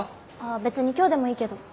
別に今日でもいいけど。